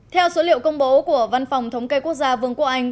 theo số liệu công bố của văn phòng thống kê quốc gia vương quốc anh